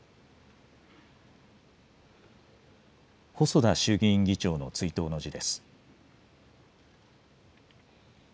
細田衆議院議長の追悼の辞です。